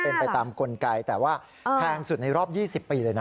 เป็นไปตามกลไกแต่ว่าแพงสุดในรอบ๒๐ปีเลยนะ